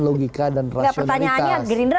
logika dan rasionalitas gak pertanyaannya gerindra